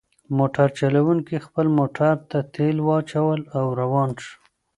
موټر چلونکي خپل موټر ته تیل واچول او روان شو.